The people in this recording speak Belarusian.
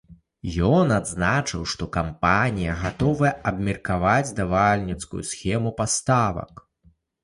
Ён адзначыў, што кампанія гатовая абмеркаваць і давальніцкую схему паставак.